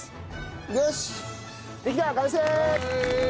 よしできた完成！